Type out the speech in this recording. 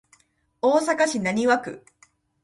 大阪市浪速区